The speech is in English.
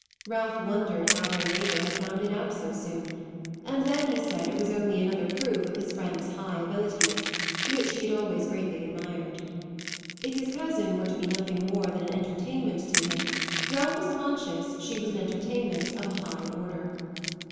Ralph wondered how their neighbour had found it out so soon; and then he said it was only another proof of his friend's high abilities, which he had always greatly admired. If his cousin were to be nothing more than an entertainment to him, Ralph was conscious she was an entertainment of a high order.